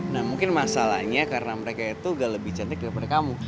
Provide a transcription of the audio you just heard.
nah mungkin masalahnya karena mereka itu gak lebih cantik daripada kamu